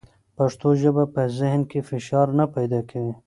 پښتو ژبه په ذهن کې فشار نه پیدا کوي.